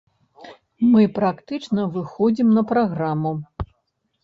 Мы практычна выходзім на праграму.